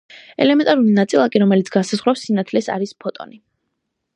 ელემენტარული ნაწილაკი, რომელიც განსაზღვრავს სინათლეს არის ფოტონი.